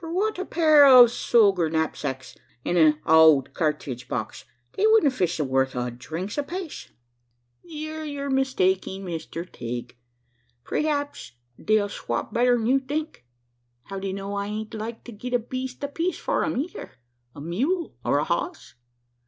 "Fwhat! a pair ov soger knapsacks, an' an owld kyarthridge box! They wuldn't fitch the worth ov dhrinks apaice." "Theer your mistaking, Mister Tigg. Preehaps they'll swop better'n you think. How d'ye know I ain't like to git a beest apiece for 'em eyther a mule or a hoss?